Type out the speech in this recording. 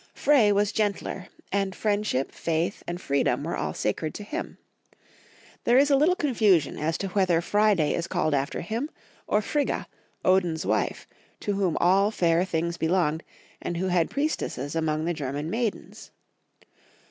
Frey was gentler, and friendship, faith, and free dom were all sacred to him. There is a little con fusion as to whether Friday is called after him or Frigga, Odin's wife, to whom all fair things be longed, and who had priestesses among the German maidens.